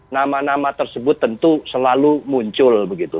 nama nama tersebut tentu selalu muncul begitu